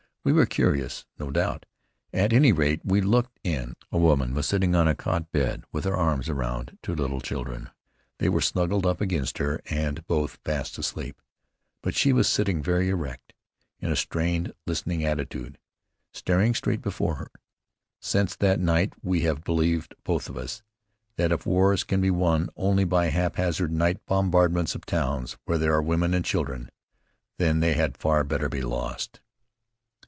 We were curious, no doubt. At any rate, we looked in. A woman was sitting on a cot bed with her arms around two little children. They were snuggled up against her and both fast asleep; but she was sitting very erect, in a strained, listening attitude, staring straight before her. Since that night we have believed, both of us, that if wars can be won only by haphazard night bombardments of towns where there are women and children, then they had far better be lost.